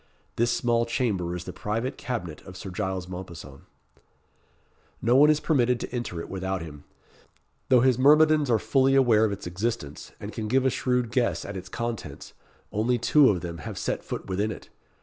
This small chamber is the private cabinet of Sir Giles Mompesson. No one is permitted to enter it without him. Though his myrmidons are fully aware of its existence, and can give a shrewd guess at its contents, only two of them have set foot within it.